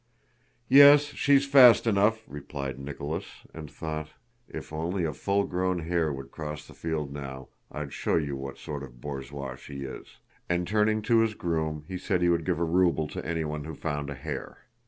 "Yes, she's fast enough," replied Nicholas, and thought: "If only a full grown hare would cross the field now I'd show you what sort of borzoi she is," and turning to his groom, he said he would give a ruble to anyone who found a hare.